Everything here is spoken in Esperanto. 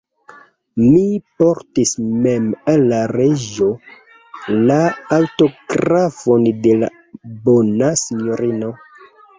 Mi portis mem al la reĝo la aŭtografon de la bona sinjorino.